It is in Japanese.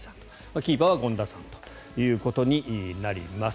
キーパーは権田さんということになります。